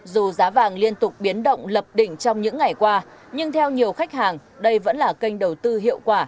dù giá vàng liên tục biến động lập định trong những ngày qua nhưng theo nhiều khách hàng đây vẫn là kênh đầu tư hiệu quả